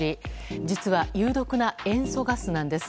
実は、有毒な塩素ガスなんです。